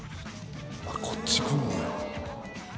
こっち来んねや。